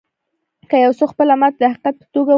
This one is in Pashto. که يو څوک خپله ماتې د حقيقت په توګه و نه مني.